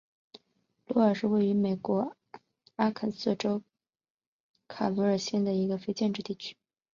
鲁尔是位于美国阿肯色州卡罗尔县的一个非建制地区。